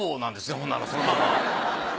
ほんならそのまま。